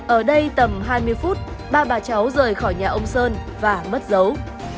ở đây tầm hai mươi phút ba bà cháu rời khỏi nhà ông sơn và mất dấu